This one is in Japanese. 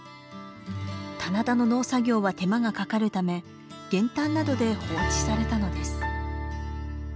棚田の農作業は手間がかかるため減反などで放置されたのです。